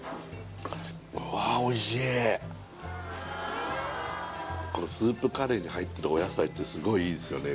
うわおいしいこのスープカレーに入ってるお野菜ってすごいいいですよね